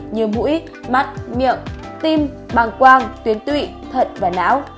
như mũi mắt miệng tim băng quang tuyến tụy thận và não